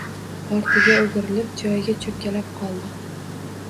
Ortiga o‘girilib joyiga cho‘kkalab qoldi.